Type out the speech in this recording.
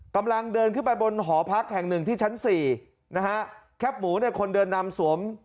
กำลังเดินขึ้นไปบนหอพักแห่งหนึ่งที่ชั้นสี่นะฮะแคบหมูเนี่ยคนเดินนำสวม